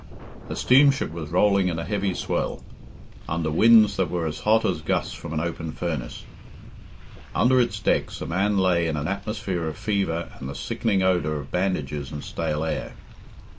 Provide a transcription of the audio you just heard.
A steamship was rolling in a heavy swell, under winds that were as hot as gusts from an open furnace. Under its decks a man lay in an atmosphere of fever and the sickening odour of bandages and stale air.